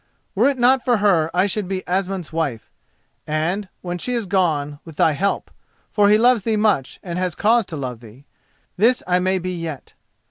Were it not for her I should be Asmund's wife, and, when she is gone, with thy help—for he loves thee much and has cause to love thee—this I may be yet.